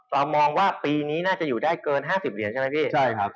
เรามองว่าปีนี้น่าจะอยู่ได้เกิน๕๐เหรียญใช่ไหมพี่ใช่ครับ